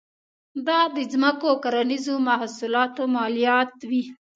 دا د ځمکو او کرنیزو محصولاتو مالیات وې.